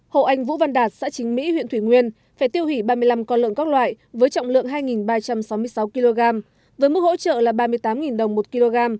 hộ anh vũ văn đạt xã chính mỹ huyện thủy nguyên phải tiêu hủy ba mươi năm con lợn các loại với trọng lượng hai ba trăm sáu mươi sáu kg với mức hỗ trợ là ba mươi tám đồng một kg